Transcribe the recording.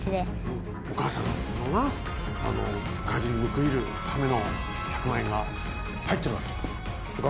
お母さんのな家事に報いるための１００万円が入ってるわ頑張れよ。